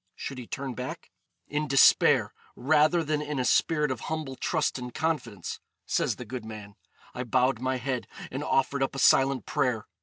Should he turn back? 'In despair, rather than in a spirit of humble trust and confidence,' says the good man, 'I bowed my head, and offered up a silent prayer.